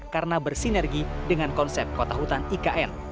karena bersinergi dengan konsep kota hutan ikn